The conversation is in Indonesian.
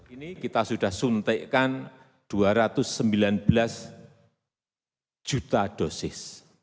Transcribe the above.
ini kita sudah suntikkan dua ratus sembilan belas juta dosis